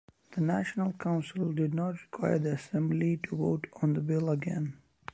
The National Council did not require the Assembly to vote on the bill again.